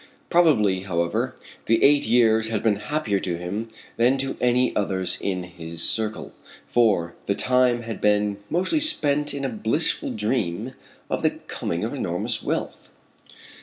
Probably however the eight years had been happier to him than to any others in his circle, for the time had been mostly spent in a blissful dream of the coming of enormous wealth.